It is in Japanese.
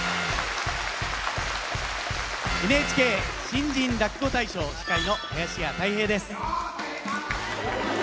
ＮＨＫ新人落語大賞司会の林家たい平です。